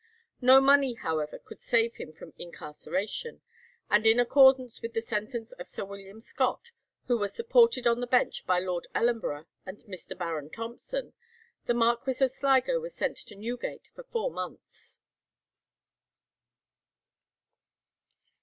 No money, however, could save him from incarceration, and in accordance with the sentence of Sir William Scott, who was supported on the bench by Lord Ellenborough and Mr. Baron Thompson, the Marquis of Sligo was sent to Newgate for four months.